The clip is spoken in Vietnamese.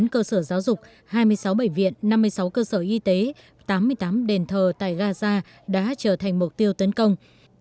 ba trăm ba mươi chín cơ sở giáo dục hai mươi sáu bệnh viện năm mươi sáu cơ sở y tế tám mươi tám đền thờ tại gaza đã trở thành mục tiêu tấn công